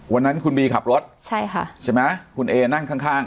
วันนั้นคุณบีขับรถใช่ค่ะใช่ไหมคุณเอนั่งข้างข้าง